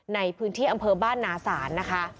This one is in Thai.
ในพื้นที่อำเภอบ้านนาศาลนะคะ